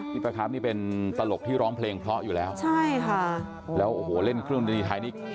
ประคับนี่เป็นตลกที่ร้องเพลงเพราะอยู่แล้วใช่ค่ะแล้วโอ้โหเล่นเครื่องดนตรีไทยนี่